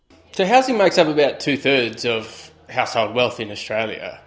jadi perumahan membuat sekitar dua ketiga dari keuntungan rumah di australia